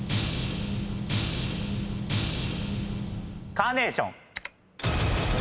カーネーション。